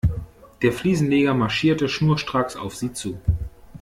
Der Fliesenleger marschierte schnurstracks auf sie zu.